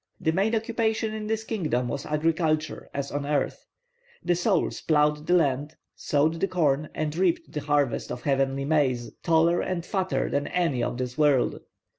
The main occupation in this kingdom was agriculture, as on earth; the souls ploughed the land, sowed the corn, and reaped the harvest of heavenly maize, taller and fatter than any of this world.